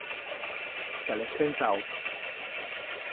Ya l'hez pensau?